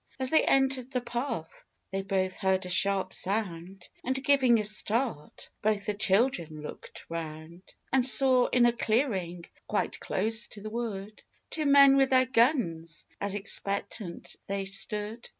As they entered the path, they both heard a sharp sound, And giving a start, both the children looked round, And saw in a clearing, quite close to the wood, Two men with their guns, as expectant they stood.